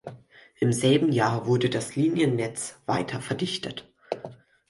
Im selben Jahr wurde das Liniennetz weiter verdichtet.